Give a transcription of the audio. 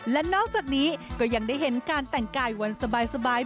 และนอกจากนี้ก็ยังได้เห็นการแต่งกายวันสบาย